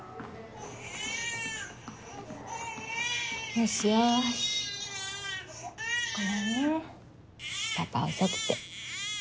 よしよしごめんねパパ遅くて。